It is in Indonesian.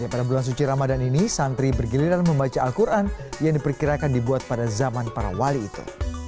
pada bulan suci ramadan ini santri bergiliran membaca al quran yang diperkirakan dibuat pada zaman para wali itu